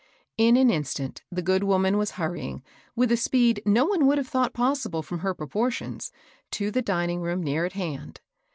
In an instant, the good womw was hurrjdng, with a speed no one would have thought possible from, her proportions, to the dining room near at hand.